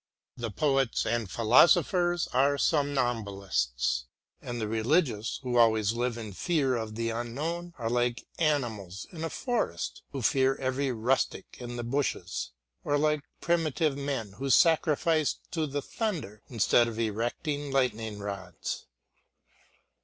The poets and philosophers are somnambulists, and the religious who always live in fear of the unknown are like animals in a forest who fear every rustic in the bushes, or like primitive men who sacrificed to the thunder instead of erecting lightning rods.